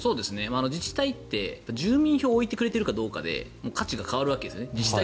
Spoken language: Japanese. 自治体って住民票を置いてくれてるかで価値が変わるわけです。